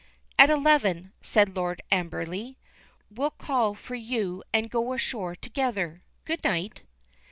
"At eleven," said Lord Amberley. "We'll call for you and go ashore together. Good night."